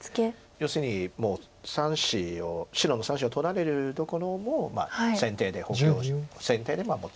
要するにもう３子を白の３子を取られるところも先手で補強先手で守っ